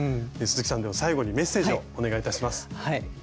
鈴木さんでは最後にメッセージをお願いいたします。